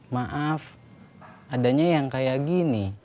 maaf adanya yang kayak gini